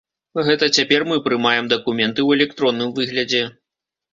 Гэта цяпер мы прымаем дакументы ў электронным выглядзе.